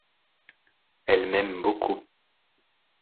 Elle m'aime beaucoup.